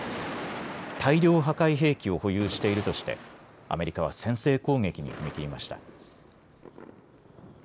大量破壊兵器を保有しているとしてアメリカは先制攻撃に踏み切りました。